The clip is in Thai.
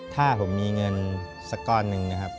ถ้าผมมีเงินสักก้อนหนึ่งนะครับ